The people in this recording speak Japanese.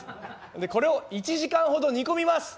でこれを１時間ほど煮込みます。